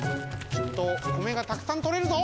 きっとこめがたくさんとれるぞ！